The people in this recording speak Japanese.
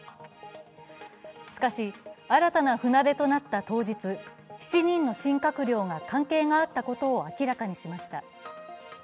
しかし、新たな船出となった当日、７人の新閣僚が関係があったことを明らかにしました。